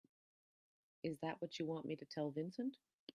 Is that what you want me to tell Vincent?